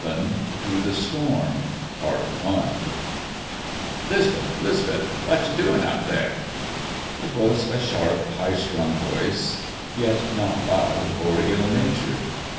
XI THROUGH THE STORM I "'Lisbeth, 'Lisbeth, what ye doin' out there?" It was a sharp, high strung voice, yet not loud nor ill natured.